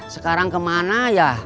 sekarang kemana ya